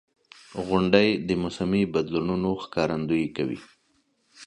• غونډۍ د موسمي بدلونونو ښکارندویي کوي.